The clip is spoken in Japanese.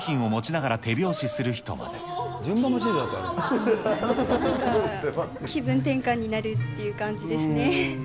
なんか気分転換になるっていう感じですね。